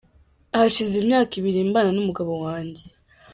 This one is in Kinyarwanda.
Hashize imyaka ibiri mbana n’umugabo wanjye.